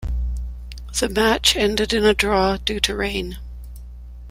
The match ended in a draw due to rain.